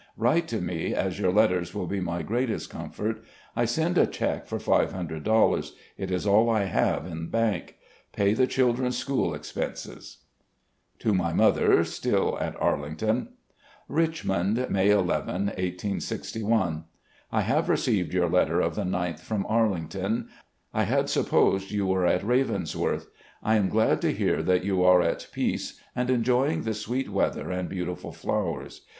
Write to me, as your letters will be my greatest comfort, I send a check for $500 ; it is all I have in bank. Pay the children's school expenses. .. To my mother, stjU at Arlington: "Richmond, May ii, 1861. " I have received your letter of the 9th from Arlington. I had supposed you were at Ravensworth. ... I am glad to hear that you are at peace, and enjoying the sweet weather and beautiful flowers.